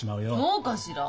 そうかしら？